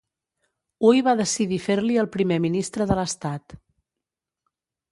Hui va decidir fer-li el primer ministre de l'estat.